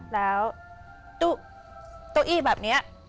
แล้วตัวอี้แบบเนี้ย